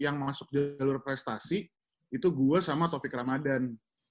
yang masuk jalur prestasi itu gue sama taufik ramadan